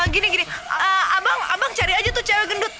gini gini abang abang cari aja tuh cewek gendut